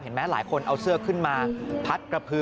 หลายคนเอาเสื้อขึ้นมาพัดกระพือ